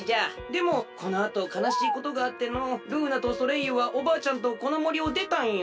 でもこのあとかなしいことがあってのうルーナとソレイユはおばあちゃんとこのもりをでたんよ。